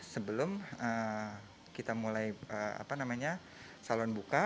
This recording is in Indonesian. sebelum kita mulai salon buka